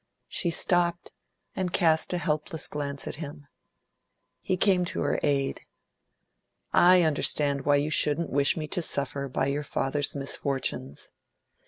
She stopped, and cast a helpless glance at him. He came to her aid. "I understand why you shouldn't wish me to suffer by your father's misfortunes."